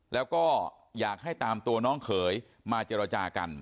แล้วก็อยากให้ตามตัวน้องเขยมาเจรจากัน